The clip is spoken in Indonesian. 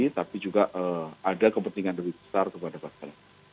tapi juga ada kepentingan lebih besar kepada bangsa